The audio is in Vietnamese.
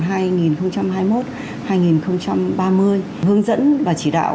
hướng dẫn và chỉ đạo